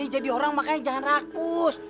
jadi orang makanya jangan rakus